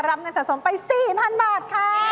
รับเงินสะสมไป๔๐๐๐บาทค่ะ